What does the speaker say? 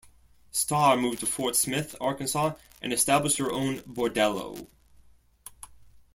Starr moved to Fort Smith, Arkansas and established her own bordello.